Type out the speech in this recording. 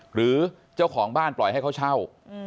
หรือเจ้าของบ้านปล่อยให้เขาเช่า